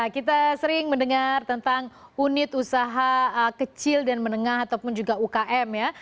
kita sering mendengar tentang unit usaha kecil dan menengah ataupun juga ukm ya